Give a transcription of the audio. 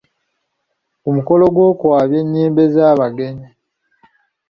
Ku mukolo gw'okwabya ennyimbe z'abagenzi